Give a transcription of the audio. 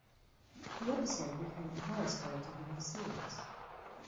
The episode became the highest rated in the series.